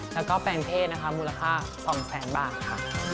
แล้วก็แปลงเพศมูลค่า๒๐๐๐๐๐บาท